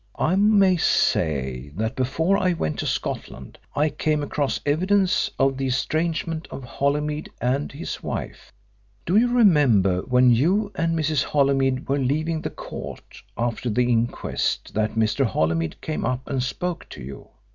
I may say that before I went to Scotland I came across evidence of the estrangement of Holymead and his wife. Do you remember when you and Mrs. Holymead were leaving the court after the inquest that Mr. Holymead came up and spoke to you?